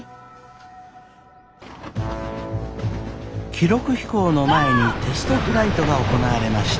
記録飛行の前にテストフライトが行われました。